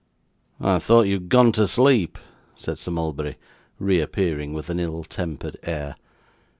'I thought you had gone to sleep,' said Sir Mulberry, reappearing with an ill tempered air.